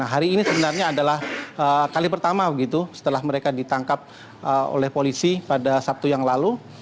hari ini sebenarnya adalah kali pertama setelah mereka ditangkap oleh polisi pada sabtu yang lalu